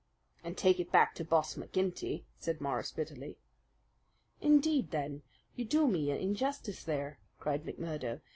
"And to take it back to Boss McGinty!" said Morris bitterly. "Indeed, then, you do me injustice there," cried McMurdo.